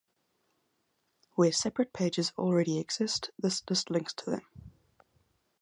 Where separate pages already exist, this list links to them.